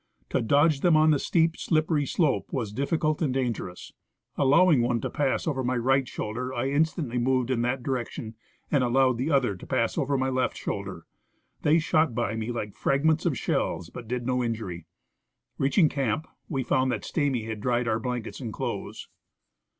To dodge them on the steep slippery slope was difficult and dangerous. Allowing one to pass over my right shoulder, I instantly moved in that direction and allowed the other to pass over my left shoulder. They shot by me like frag ments of shells, but did no injury. Reaching camp, we found that Stamy had dried our blankets and clothes.